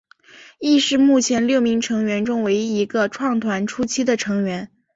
亦是目前六名成员中唯一一个创团初期的成员。